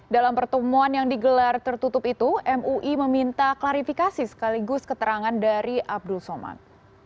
dalam pertemuan yang digelar tertutup itu mui meminta klarifikasi sekaligus keterangan dari abdul somad